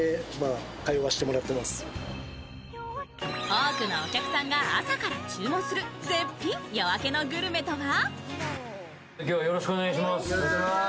多くのお客さんが朝から注文する絶品夜明けのグルメとは？